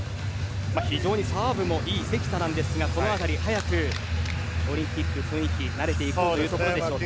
非常にサーブもいい関田なんですがこの辺り早くオリンピックの雰囲気に慣れていくというところでしょうか。